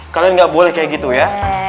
kalian nggak boleh kayak gitu ya